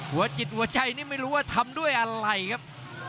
หัวจิตหัวใจนี่ไม่รู้ว่าทำด้วยอะไรครับ